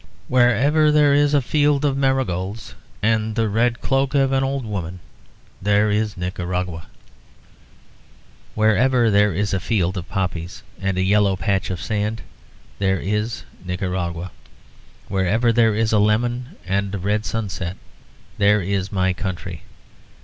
Wherever there is a field of marigolds and the red cloak of an old woman, there is Nicaragua. Wherever there is a field of poppies and a yellow patch of sand, there is Nicaragua. Wherever there is a lemon and a red sunset, there is my country.